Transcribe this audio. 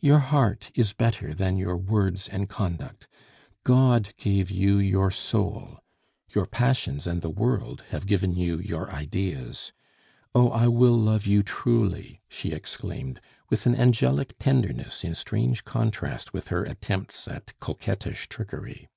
"Your heart is better than your words and conduct. God gave you your soul; your passions and the world have given you your ideas. Oh, I will love you truly," she exclaimed, with an angelic tenderness in strange contrast with her attempts at coquettish trickery.